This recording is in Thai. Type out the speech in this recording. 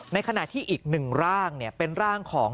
ในขณะที่อีก๑ร่างเป็นร่างของ